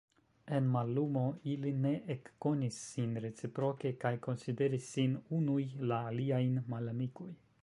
En mallumo ili ne ekkonis sin reciproke kaj konsideris sin unuj la aliajn malamikoj.